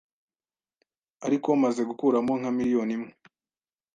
ariko maze gukuramo nka miliyoni imwe